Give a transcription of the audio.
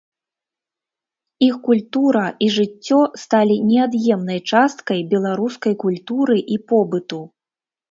Іх культура і жыццё сталі неад'емнай часткай беларускай культуры і побыту.